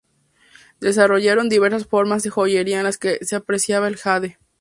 Desarrollaron diversas formas de joyería en las que se apreciaba el jade.